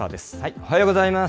おはようございます。